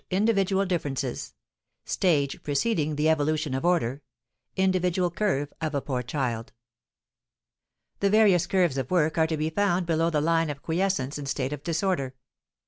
INDIVIDUAL DIFFERENCES STAGE PRECEDING THE EVOLUTION OF ORDER [Illustration: Individual curve of a poor child] The various curves of work are to be found below the line of quiescence, in state of disorder.